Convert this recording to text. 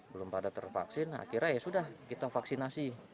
belum pada tervaksin akhirnya ya sudah kita vaksinasi